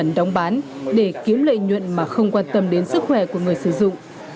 cần đóng bán để kiếm lợi nhuận mà không quan tâm đến sức khỏe của người sử dụng